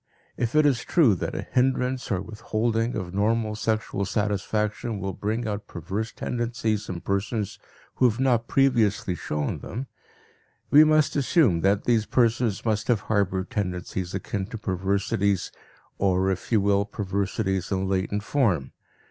If it is true that a hindrance or withholding of normal sexual satisfaction will bring out perverse tendencies in persons who have not previously shown them, we must assume that these persons must have harbored tendencies akin to perversities or, if you will, perversities in latent form.